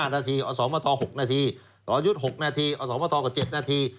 นาทีอสมท๖นาทีสรยุทธ์๖นาทีอสมทกว่า๗นาที